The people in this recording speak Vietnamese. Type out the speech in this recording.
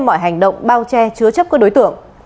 mọi hành động bao che chứa chấp các đối tượng